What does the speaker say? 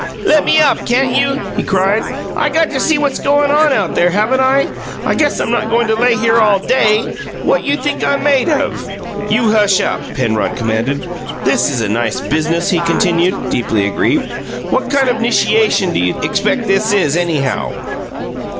"Let me up, can't you?" he cried. "I got to see what's goin' on out there, haven't I? I guess I'm not goin' to lay here all DAY! What you think I'm made of?" "You hush up!" Penrod commanded. "This is a nice biznuss!" he continued, deeply aggrieved. "What kind of a 'nishiation do you expect this is, anyhow?"